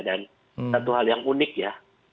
dan satu hal yang unik ya